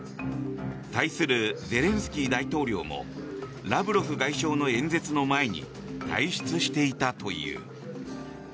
対するゼレンスキー大統領もラブロフ外相の演説の前に退出していたという。